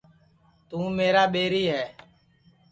توں میرا ٻیری ہے